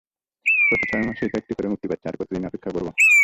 প্রতি ছয় মাসেইতো একটি করে মুক্তি পাচ্ছে আর কতদিন অপেক্ষা করব?